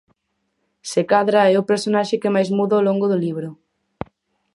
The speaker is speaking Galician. Se cadra é o personaxe que máis muda ao longo do libro.